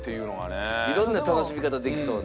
いろんな楽しみ方できそうな。